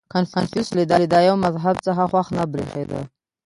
• کنفوسیوس له دایو مذهب څخه خوښ نه برېښېده.